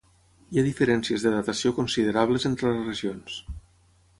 Hi ha diferències de datació considerables entre les regions.